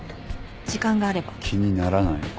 気にならないのか？